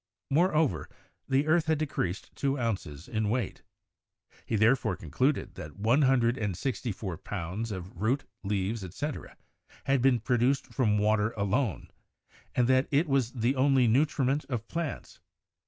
Moreover, the earth had decreased two ounces in weight. He therefore concluded that one hun dred and sixty four pounds of root, leaves, etc., had been produced from water alone, and that it was the only nu triment of plants.